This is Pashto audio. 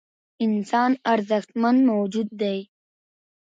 انسان ارزښتمن موجود دی .